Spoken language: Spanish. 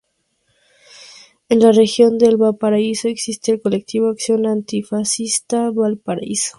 En la región de Valparaíso existe el Colectivo Acción Anti-Fascista Valparaíso.